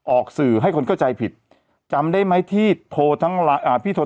ออกสื่อให้คนเข้าใจผิดจำได้ไหมที่โทรทั้งอ่าพี่โทร